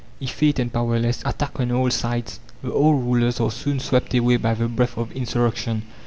Effete and powerless, attacked on all sides, the old rulers are soon swept away by the breath of insurrection.